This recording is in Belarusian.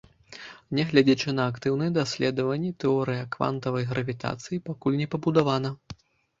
Нягледзячы на актыўныя даследаванні, тэорыя квантавай гравітацыі пакуль не пабудавана.